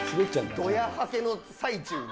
どやはけの最中に。